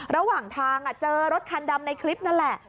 ระหว่างทางเจอรถคันดำในคลิปนั่นแหละ